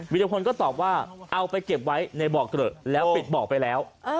รพลก็ตอบว่าเอาไปเก็บไว้ในบ่อเกลอะแล้วปิดบ่อไปแล้ว